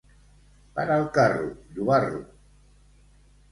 Para el carro, llobarro!